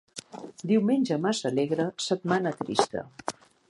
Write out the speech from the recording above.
Diumenge massa alegre, setmana trista.